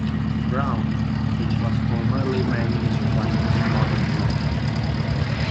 Brown, which was formerly managed by his father-in-law.